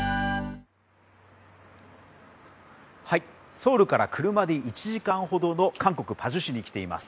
ソウルから車で１時間ほどの韓国パジュ市に来ています。